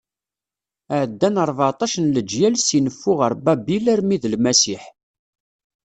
Ɛeddan rbeɛṭac n leǧyal si neffu ɣer Babil armi d Lmasiḥ.